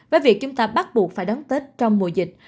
với việc chúng ta bắt buộc phải đóng tết trong mùa dịch